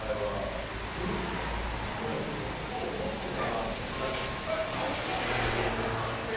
本人のことを思ってね。